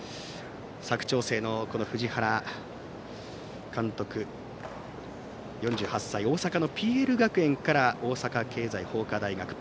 佐久長聖の藤原監督、４８歳大坂のＰＬ学園から大阪経済法科大学。